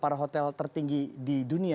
para hotel tertinggi di dunia